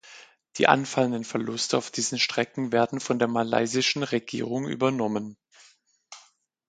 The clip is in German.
Die anfallenden Verluste auf diesen Strecken werden von der malaysischen Regierung übernommen.